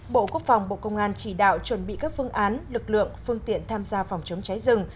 bộ quốc phòng bộ công an chỉ đạo chuẩn bị các phương án lực lượng phương tiện tham gia phòng chống cháy rừng